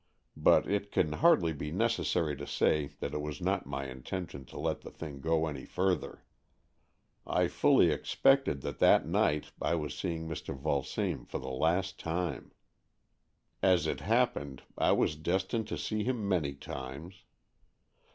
But it can hardly be necessary to say that it was not my intention to let the thing go any further. I fully expected that that night I was seeing Mr. Vulsame for the last time. As it happened, I was destined to see him many times.